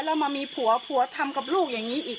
แล้วมามีผัวผัวทำกับลูกอย่างนี้อีก